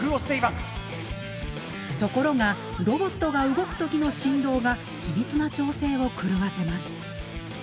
ところがロボットが動く時の振動が緻密な調整を狂わせます。